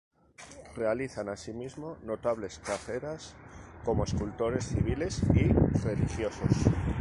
Realizan así mismo notables carreras como escultores civiles y religiosos.